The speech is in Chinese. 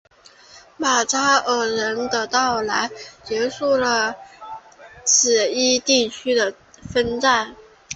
马扎尔人的到来结束了此一地区的纷争。